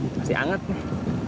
masih anget nih